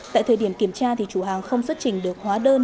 tại thời điểm kiểm tra chủ hàng không xuất trình được hóa đơn